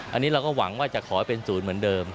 อันนึงความหวังของเราก็จะขอให้เป็นศูนย์เหมือนเดิม